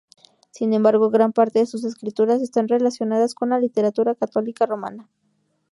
Sin embargo, gran parte de sus escrituras están relacionadas con la literatura católica romana.